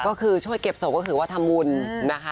ก็คือช่วยเก็บศพก็คือว่าทำบุญนะคะ